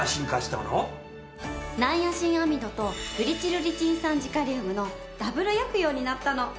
ナイアシンアミドとグリチルリチン酸ジカリウムのＷ薬用になったの！